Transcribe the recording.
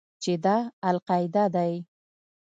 چې دا القاعده دى.